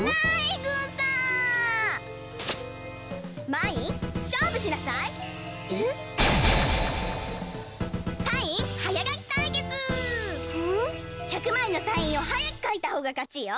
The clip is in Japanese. １００まいのサインをはやくかいたほうがかちよ！